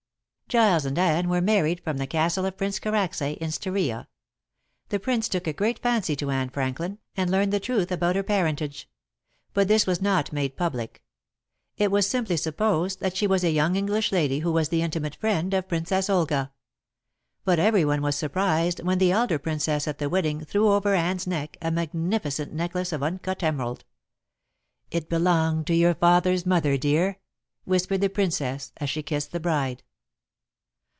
Giles and Anne were married from the castle of Prince Karacsay, in Styria. The Prince took a great fancy to Anne Franklin, and learned the truth about her parentage. But this was not made public. It was simply supposed that she was a young English lady who was the intimate friend of Princess Olga. But every one was surprised when the elder Princess at the wedding threw over Anne's neck a magnificent necklace of uncut emerald. "It belonged to your father's mother, dear," whispered the Princess as she kissed the bride.